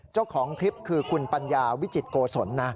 เจ้าของคลิปคือคุณปัญญาวิจิตโกศลนะ